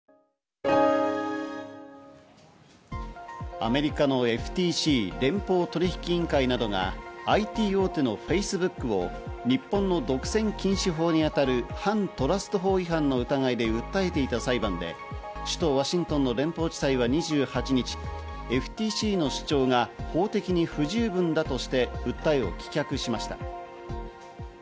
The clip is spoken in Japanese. アメリカのＦＴＣ＝連邦取引委員会などがＩＴ大手のＦａｃｅｂｏｏｋを日本の独占禁止法にあたる反トラスト法違反の疑いで訴えていた裁判で首都ワシントンの連邦地裁は２８日、ＦＴＣの主張が法的に不十分だとして訴えを棄却しました。